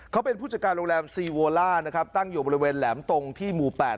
เขาเป็นผู้จัดการโรงแรมซีโวล่านะครับตั้งอยู่บริเวณแหลมตรงที่หมู่๘